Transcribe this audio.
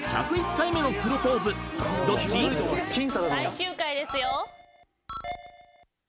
最終回ですよ。